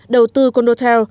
đầu tư condotel